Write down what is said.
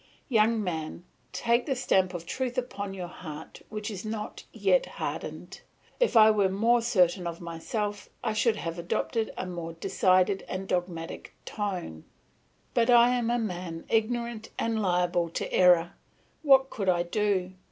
Young man, take the stamp of truth upon your heart which is not yet hardened, if I were more certain of myself, I should have adopted a more decided and dogmatic tone; but I am a man ignorant and liable to error; what could I do?